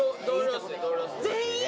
全員？